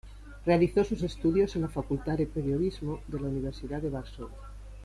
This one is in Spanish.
Realizó sus estudios en la Facultad de Periodismo de la Universidad de Varsovia.